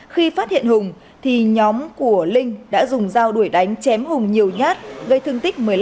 khi phát hiện hùng thì nhóm của linh đã dùng dao đuổi đánh chém hùng nhiều nhát gây thương tích một mươi năm